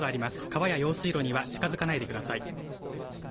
川や用水路には近づかないでください。